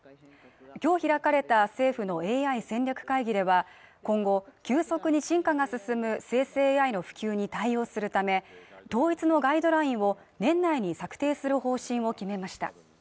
今日開かれた政府のＡＩ戦略会議では、今後急速に進化が進む生成ＡＩの普及に対応するため、統一のガイドラインを年内に策定する方針を決めました。